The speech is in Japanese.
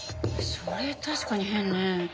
それ確かに変ね。